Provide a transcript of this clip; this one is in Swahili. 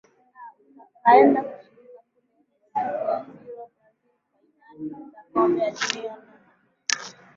aa tukaenda kushiriki kule rio de janiro brazil fainali za kombe la dunia na